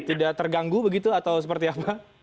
tidak terganggu begitu atau seperti apa